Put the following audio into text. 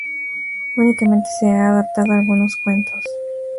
Únicamente se han adaptado algunos cuentos.